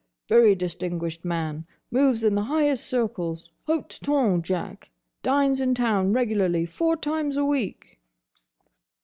"Very distinguished man. Moves in the highest circles. Hote tonn, Jack. Dines in town regularly four times a week."